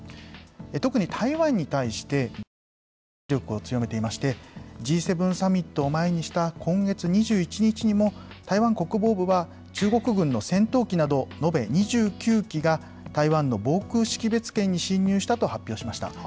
特に台湾に対して軍事的な圧力を強めていまして、Ｇ７サミットを前にした今月２１日にも、台湾国防部は中国軍の戦闘機など、延べ２９機が、台湾の防空識別圏に進入したと発表しました。